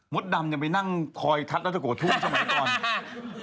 มดดำยังไปนั่งคอยทัศน์แล้วตะโกะทุ้นเฉพาะไหมตอนนี้